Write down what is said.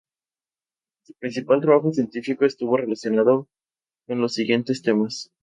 Su principal trabajo científico estuvo relacionado con los siguientes temas.